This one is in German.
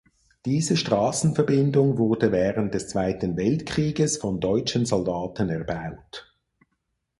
Diese Straßenverbindung wurde während des Zweiten Weltkrieges von deutschen Soldaten erbaut.